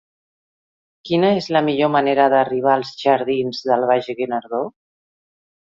Quina és la millor manera d'arribar als jardins del Baix Guinardó?